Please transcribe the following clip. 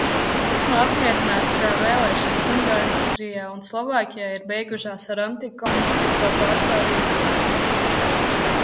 Esmu apmierināts, ka vēlēšanas Ungārijā un Slovākijā ir beigušās ar antikomunistisko pārstāvju uzvaru.